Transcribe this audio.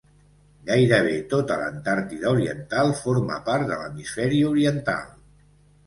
Gairebé tota l'Antàrtida Oriental forma part de l'Hemisferi Oriental.